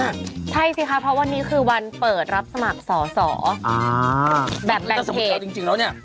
ใช่สิค่ะเพราะวันนี้คือวันเปิดรับสมัครสอบสอบแบบแบตเทจ